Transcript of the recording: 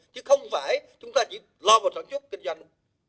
chứ không phải chúng ta chỉ lo vào sản xuất kinh doanh